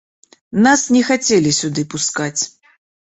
Нас не хацелі сюды пускаць.